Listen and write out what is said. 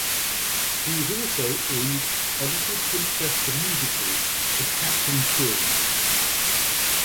He was also in "A Little Princess the Musical" as Captain Crewe.